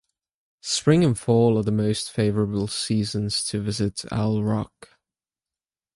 Spring and fall are the most favorable seasons to visit Owl Rock.